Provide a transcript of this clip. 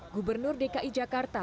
gubernur dki jakarta